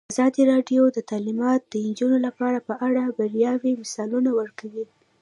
ازادي راډیو د تعلیمات د نجونو لپاره په اړه د بریاوو مثالونه ورکړي.